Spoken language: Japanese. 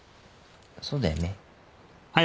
そうだよね？